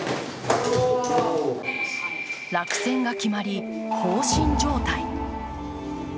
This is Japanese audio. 落選が決まり、放心状態。